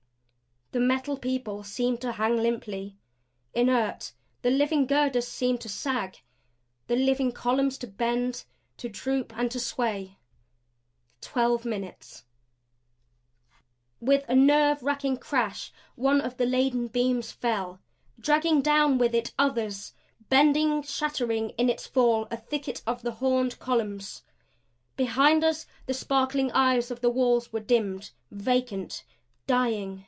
The Metal People seemed to hang limply, inert; the living girders seemed to sag; the living columns to bend; to droop and to sway. Twelve minutes. With a nerve racking crash one of the laden beams fell; dragging down with it others; bending, shattering in its fall a thicket of the horned columns. Behind us the sparkling eyes of the wall were dimmed, vacant dying.